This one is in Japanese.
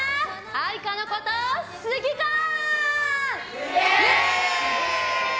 愛花のこと好きかー？